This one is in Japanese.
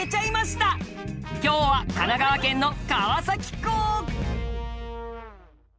今日は神奈川県の川崎港！